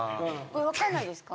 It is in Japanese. わかんないですか？